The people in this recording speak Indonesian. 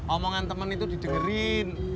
omongan temen itu didengerin